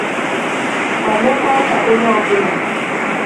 ma mekwa ka onye ọbụla